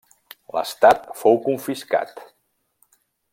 L'estat fou confiscat.